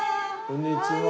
こんにちは。